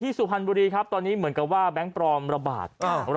สุพรรณบุรีครับตอนนี้เหมือนกับว่าแบงค์ปลอมระบาด